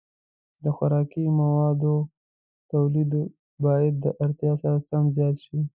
د خوراکي موادو تولید باید د اړتیا سره سم زیات شي.